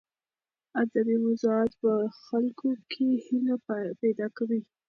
ادبي موضوعات په خلکو کې هیله پیدا کوي.